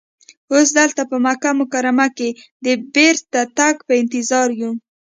اوس دلته په مکه مکرمه کې د بېرته تګ په انتظار یو.